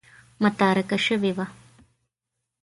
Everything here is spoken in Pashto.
متارکه شوې وه.